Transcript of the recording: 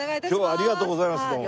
今日はありがとうございます。